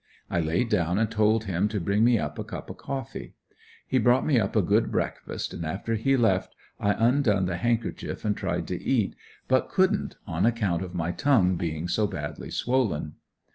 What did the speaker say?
I laid down and told him to bring me up a cup of coffee. He brought up a good breakfast and after he left I undone the handkerchief and tried to eat, but couldn't, on account of my tongue being so badly swollen.